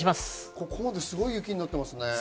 ここまですごい雪になってますね。